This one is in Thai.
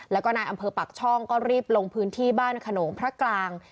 และอำเภอปากช่องก็รีบลงพื้นที่บ้านขนมพระกลาง